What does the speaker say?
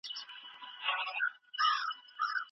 ټولنیزې اړیکي باید پیاوړې کړئ.